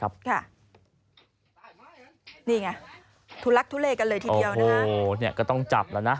ครับค่ะนี่ไงทุลักษณ์ทุเลกันเลยทีเดียวนะฮะโอ้โหเนี่ยก็ต้องจับแล้วน่ะ